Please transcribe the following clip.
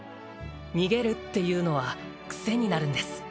逃げるっていうのはクセになるんです